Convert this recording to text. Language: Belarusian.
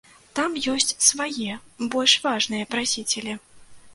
Там ёсць свае, больш важныя прасіцелі.